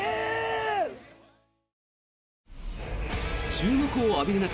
注目を浴びる中